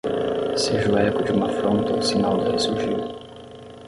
Seja o eco de uma afronta o sinal do ressurgir